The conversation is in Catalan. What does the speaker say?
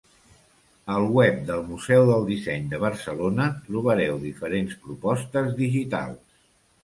Al web del Museu del Disseny de Barcelona trobareu diferents propostes digitals.